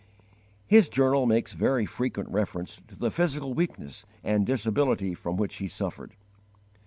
His journal makes very frequent reference to the physical weakness and disability from which he suffered.